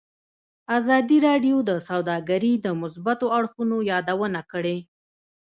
ازادي راډیو د سوداګري د مثبتو اړخونو یادونه کړې.